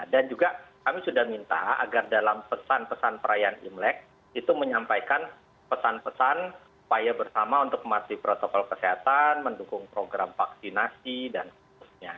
dan juga kami sudah minta agar dalam pesan pesan perayaan imlek itu menyampaikan pesan pesan upaya bersama untuk mematuhi protokol kesehatan mendukung program vaksinasi dan sebagainya